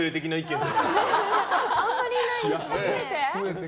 あんまりいないです。